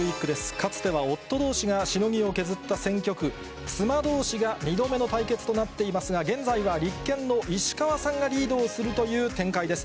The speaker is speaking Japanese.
かつては夫どうしがしのぎを削った選挙区、妻どうしが２度目の対決となっていますが、現在は立憲の石川さんがリードをするという展開です。